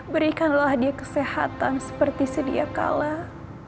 berikanlah dia kesehatan seperti sedia kalah